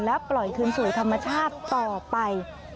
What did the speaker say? แล้วปล่อยคืนสู่ธรรมชาติต่อไป